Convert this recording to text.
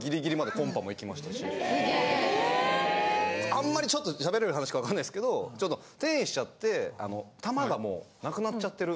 あんまりちょっと喋れるような話か分かんないですけどちょっと転移しちゃってあのタマがもうなくなっちゃってる。